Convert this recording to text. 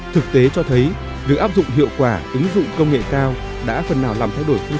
thực tế cho thấy việc áp dụng hiệu quả ứng dụng công nghệ cao đã phần nào làm thay đổi quy mô